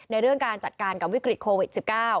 เรื่องการจัดการกับวิกฤตโควิด๑๙